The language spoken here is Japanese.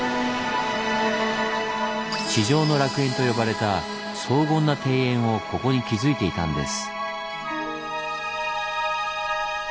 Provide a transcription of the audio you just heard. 「地上の楽園」と呼ばれた荘厳な庭園をここに築いていたんです。